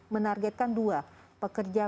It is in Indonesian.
menargetkan dua pekerja